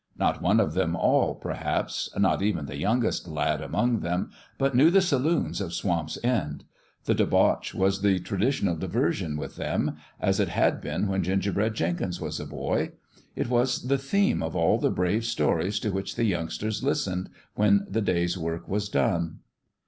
Not one of them all, per haps not even the youngest lad among them but knew the saloons of Swamp's End. The debauch was the traditional diversion with them, as it had been when Gingerbread Jenkins was a boy ; it was the theme of all the brave stories to which the youngsters listened when the day's work was done.